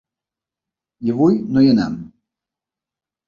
I avui no hi anem.